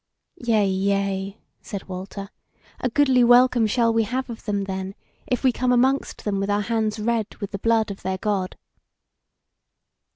"Yea, yea!" said Walter, "a goodly welcome shall we have of them then, if we come amongst them with our hands red with the blood of their God!"